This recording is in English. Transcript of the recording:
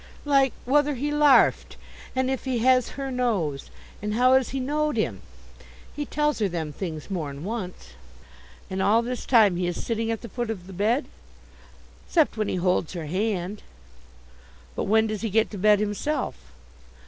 "Like whether he larfed, and if he has her nose, and how as he knowed him. He tells her them things more'n once." "And all this time he is sitting at the foot of the bed?" "'Cept when he holds her hand." "But when does he get to bed himself?"